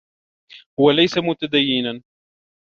هو ليس متديّنا.